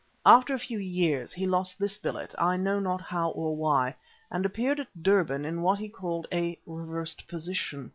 After a few years he lost this billet, I know not how or why, and appeared at Durban in what he called a "reversed position."